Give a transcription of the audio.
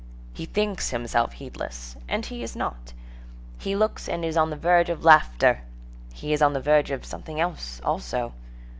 He thinks himself heedless; and he is not. He looks and is on the verge of laughter; he is on the verge of something else also.